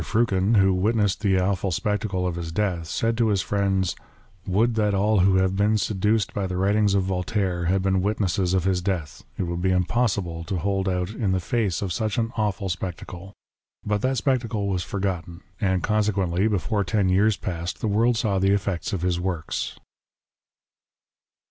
Fruchen, who witnessed the awful spectacle of his death, said to his friends, " Would that all who have been seduced by the writings of Voltaire had been witnesses of his death, it would be impossible to hold out, in the face of such an awful VOLTAIRE. lA spectacle." ^ But that spectacle was forgotten, and consequently, before ten years passed, the world saw the effects of his works.